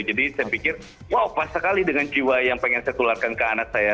jadi saya pikir wow pas sekali dengan jiwa yang pengen saya tularkan ke anak saya